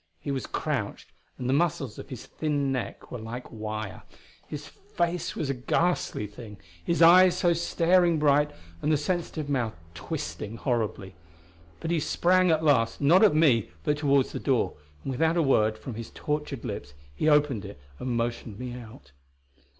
He was crouched, and the muscles of his thin neck were like wire; his face was a ghastly thing, his eyes so staring bright, and the sensitive mouth twisting horribly. But he sprang at last not at me but toward the door, and without a word from his tortured lips he opened it and motioned me out.